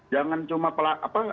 jangan cuma pelak apa